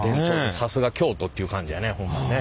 さすが京都っていう感じやねホンマにね。